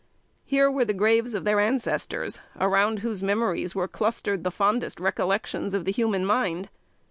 Here were the graves of their ancestors, around whose memories were clustered the fondest recollections of the human mind.